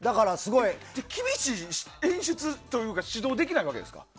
厳しい演出というか指導はできないわけですか？